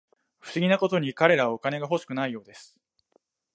不思議なことに、彼らはお金が欲しくないようです